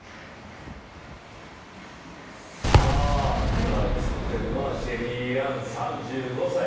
今、映ってるのはシェリーアン３５歳。